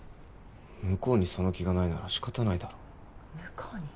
向こうにその気がないなら仕方ないだろ向こうに？